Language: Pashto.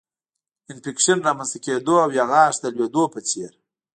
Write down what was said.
انفکشن رامنځته کېدو او یا غاښ د لوېدو په څېر